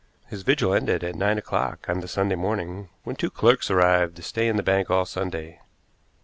His vigil ended at nine o'clock on the Sunday morning, when two clerks arrived to stay in the bank all Sunday.